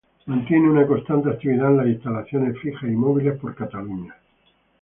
Mantiene una constante actividad en las instalaciones fijas y móviles por Catalunya.